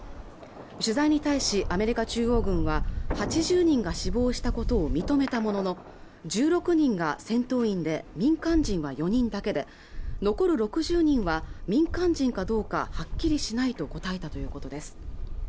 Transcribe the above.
取材に対しアメリカ中央軍は８０人が死亡したことを認めたものの１６人が戦闘員で民間人は４人だけで残る６０人は民間人かどうかはっきりしないと答えたということです